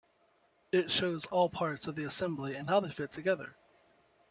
It shows all parts of the assembly and how they fit together.